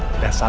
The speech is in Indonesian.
bukti baru apa